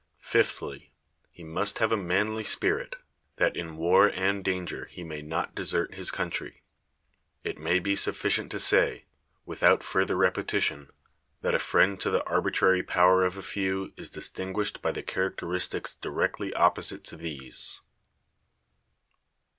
Fifth ly, he must have a manly spirit, that in war and danger he may not desert his country. It may be sufficient to say, without further repe tition, that a friend to the arbitrary power of a few is distinguished by the characteristics di rectly opposite to these.